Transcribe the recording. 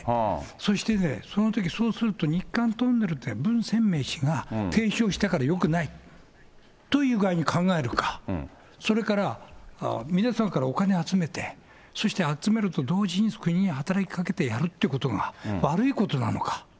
そしてね、そのとき、そうすると、日韓トンネル、文鮮明氏が提唱したからよくないという具合に考えるか、それから皆さんからお金集めて、そして集めると同時に、国に働き掛けてやるということが悪いことなのか。